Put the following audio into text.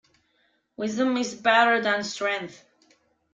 Wisdom is better than strength.